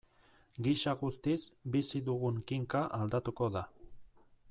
Gisa guztiz, bizi dugun kinka aldatuko da.